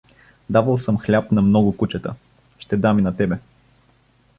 Давал съм хляб на много кучета, ще дам и на тебе.